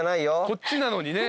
こっちなのにね。